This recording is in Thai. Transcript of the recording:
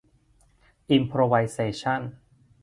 อิมโพรไวเซชั่น